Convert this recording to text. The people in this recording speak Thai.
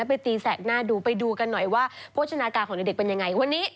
ตีแสกหน้าดูไปดูกันหน่อยว่าโภชนาการของเด็กเป็นยังไงวันนี้